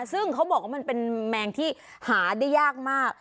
ซึ่งเขาบอกว่ามันเป็นแมงที่หาได้ยากมาก